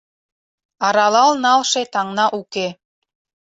Аралал налше таҥна уке.